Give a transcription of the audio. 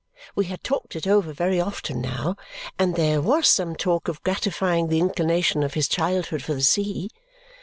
We had talked it over very often now, and there was some talk of gratifying the inclination of his childhood for the sea.